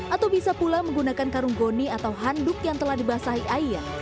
atau bisa pula menggunakan karung goni atau handuk yang telah dibasahi air